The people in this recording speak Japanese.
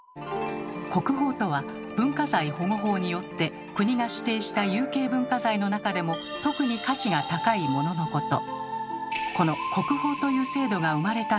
「国宝」とは文化財保護法によって国が指定した有形文化財の中でも特に価値が高いもののこと。